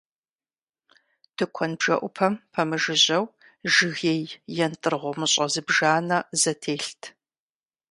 Тыкуэн бжэӀупэм пэмыжыжьэу жыгей ентӀыр гъумыщӀэ зыбжанэ зэтелът.